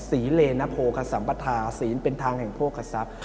ศีเลนโภคสัมปัทธาศีลเป็นทางแห่งพวกทรัพย์